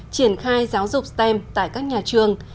triển khai giáo dục stem tại các nhà trường